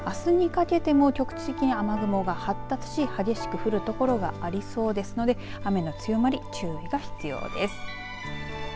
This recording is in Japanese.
あすにかけても局地的に雨雲が発達し激しく降るところがありそうですので雨の強まり注意が必要です。